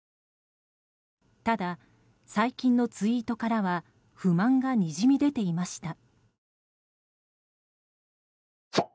ただ、最近のツイートからは不満がにじみ出ていました。